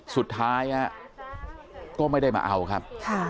สุดท้ายก็ไม่ได้มาเอาครับ